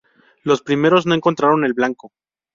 Los primeros no encontraron el blanco.